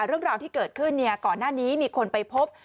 เรื่องราวที่เกิดขึ้นก่อนหน้านี้มีคนไปพบ